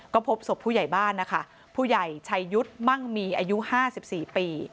ก็พบศพผู้ใหญ่บ้านนะคะผู้ใหญ่ชัยยุทธ์มั่งมีอายุ๕๔ปี